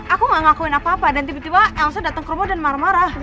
aku gak ngakuin apa apa dan tiba tiba elsa datang ke rumah dan marah marah